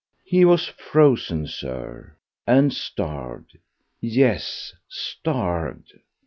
He was frozen, Sir, and starved—yes, starved!